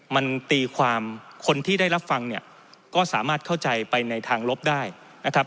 มันตีความคนที่ได้รับฟังเนี่ยก็สามารถเข้าใจไปในทางลบได้นะครับ